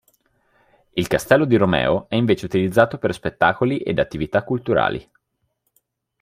Il Castello di Romeo è invece utilizzato per spettacoli ed attività culturali.